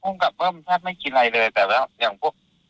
กับเบิ้มแทบไม่กินอะไรเลยแต่ว่าอย่างพวก